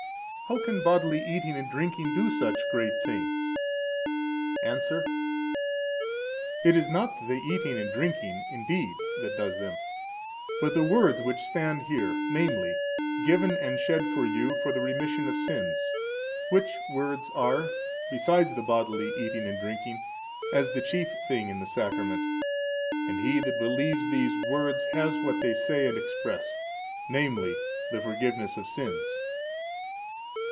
How can bodily eating and drinking do such great things? –Answer: It is not the eating and drinking, indeed, that does them, but the words which stand here, namely: Given, and shed for you, for the remission of sins. Which words are, beside the bodily eating and drinking, as the chief thing in the Sacrament; and he that believes these words has what they say and express, namely, the forgiveness of sins.